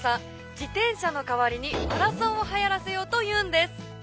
自転車の代わりにマラソンをはやらせようというんです」。